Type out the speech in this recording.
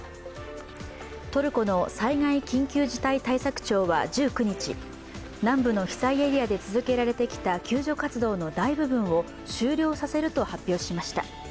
トルコの災害緊急事態対策庁は１９日、南部の被災エリアで続けられてきた救助活動の大部分を終了させると発表しました。